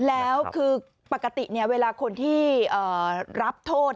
แล้วคือปกติเวลาคนที่รับโทษ